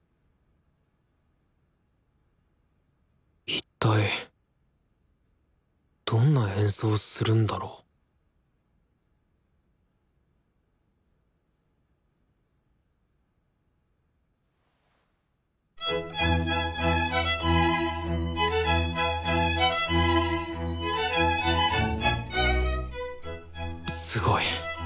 いったいどんな演奏をするんだろうすごい。